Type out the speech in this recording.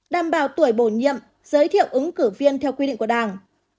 đảm bảo tuổi bổ nhiệm giới thiệu ứng cử viên theo quy định của đảng